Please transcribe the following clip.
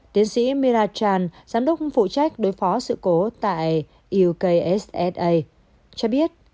tiến sĩ mira chan giám đốc phụ trách đối phó sự cố tại ukssa cho biết